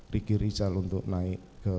dikirisal untuk naik ke